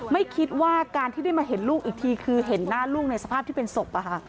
ไม่คิดว่าการที่ได้มาเห็นลูกอีกทีคือเห็นหน้าลูกในสภาพที่เป็นศพ